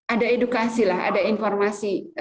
ada edukasi ada informasi